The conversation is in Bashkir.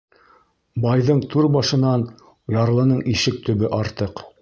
Байҙың түр башынан ярлының ишек төбө артыҡ.